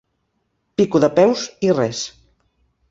Pico de peus i res.